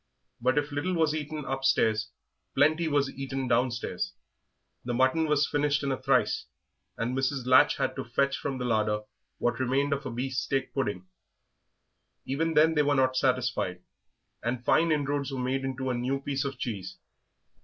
But if little was eaten upstairs, plenty was eaten downstairs; the mutton was finished in a trice, and Mrs. Latch had to fetch from the larder what remained of a beefsteak pudding. Even then they were not satisfied, and fine inroads were made into a new piece of cheese.